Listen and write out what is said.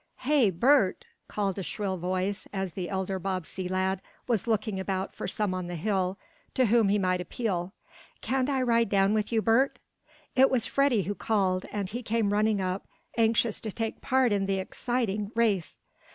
"Hey, Bert!" called a shrill voice, as the elder Bobbsey lad was looking about for some on the hill to whom he might appeal. "Can't I ride down with you, Bert?" It was Freddie who called, and he came running up, anxious to take part in the exciting race.